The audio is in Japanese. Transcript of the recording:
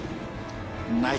ない。